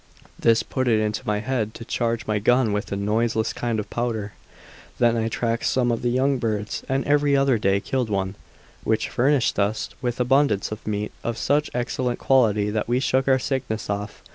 This put it into my head to charge my gun with a noiseless kind of powder; then I tracked some of the young birds, and every other day killed one, which furnished us with abundance of meat, of such excellent quality that we shook our sickness off.